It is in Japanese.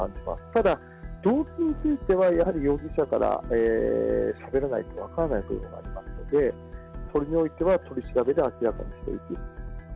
ただ、動機については、やはり容疑者からしゃべらないと分からないというのがありますので、それにおいては取り調べで明らかにしていく。